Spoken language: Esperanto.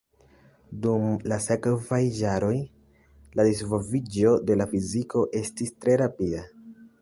Dum la sekvaj jaroj la disvolviĝo de la fiziko estis tre rapida.